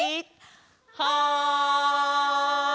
はい！